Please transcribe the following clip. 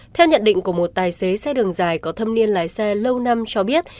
theo nhận định của một tài xế xe đường dài có thâm niên lái xe lâu năm cho biết